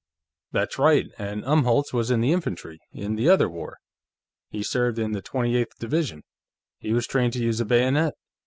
"That's right. And Umholtz was in the infantry, in the other war; he served in the Twenty eighth Division. He was trained to use a bayonet.